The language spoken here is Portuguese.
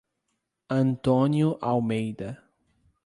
Antônio Almeida